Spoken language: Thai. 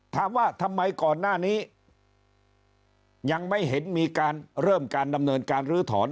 ถามว่าทำไมก่อนหน้านี้ยังไม่เห็นมีการเริ่มการดำเนินการลื้อถอน